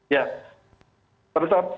vaksin merah putih